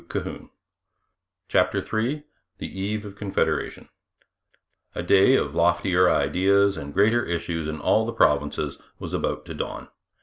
CHAPTER III THE EVE OF CONFEDERATION A day of loftier ideas and greater issues in all the provinces was about to dawn.